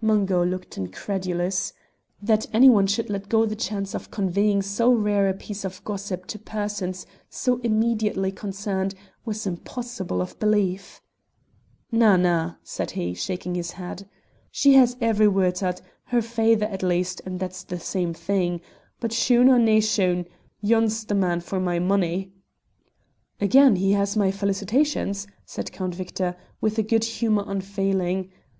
Mungo looked incredulous. That any one should let go the chance of conveying so rare a piece of gossip to persons so immediately concerned was impossible of belief. "Na, na," said he, shaking his head; "she has every word o't, or her faither at least, and that's the same thing. But shoon or nae shoon, yon's the man for my money!" "Again he has my felicitations," said Count Victor, with a good humour unfailing.